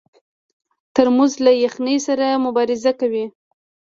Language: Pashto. ترموز له یخنۍ سره مبارزه کوي.